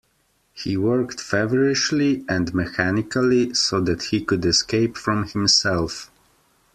He worked feverishly and mechanically, so that he could escape from himself.